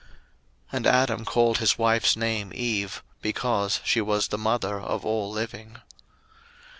01:003:020 And Adam called his wife's name Eve; because she was the mother of all living.